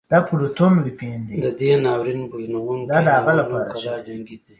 د دې ناورین بوږنوونکي ناول نوم کلا جنګي دی.